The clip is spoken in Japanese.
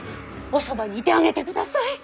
おそばにいてあげてください。